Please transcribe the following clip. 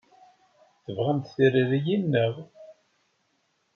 Tebɣamt tiririyin, naɣ?